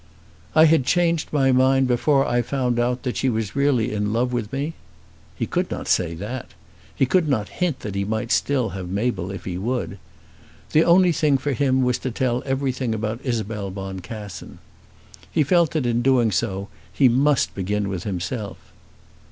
"I had changed my mind before I found out that she was really in love with me!" He could not say that. He could not hint that he might still have Mabel if he would. The only thing for him was to tell everything about Isabel Boncassen. He felt that in doing this he must begin with himself.